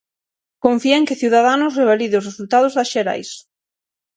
Confía en que Ciudadanos revalide os resultados das xerais.